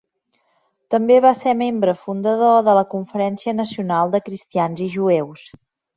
També va ser membre fundador de la Conferència Nacional de Cristians i Jueus.